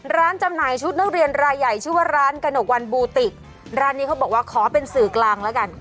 จำหน่ายชุดนักเรียนรายใหญ่ชื่อว่าร้านกระหนกวันบูติกร้านนี้เขาบอกว่าขอเป็นสื่อกลางแล้วกัน